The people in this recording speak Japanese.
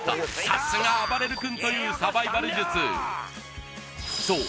さすがあばれる君というサバイバル術そう